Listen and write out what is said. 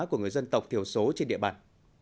của người dân tộc thiểu số trên địa bàn